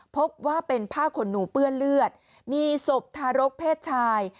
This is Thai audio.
พบว่าเป็นผ้าขนหนูเปื้อนเลือดมีศพทารกเพศชาย